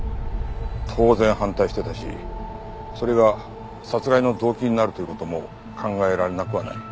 当然反対してたしそれが殺害の動機になるという事も考えられなくはない。